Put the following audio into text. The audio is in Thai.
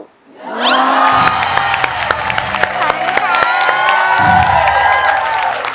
ขอบคุณค่ะ